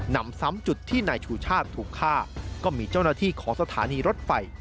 นำซ้ำจุดที่นายชูชาติถูกฆ่าก็มีเจ้าหน้าที่ของสถานีรถไฟ